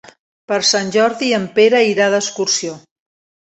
Per Sant Jordi en Pere irà d'excursió.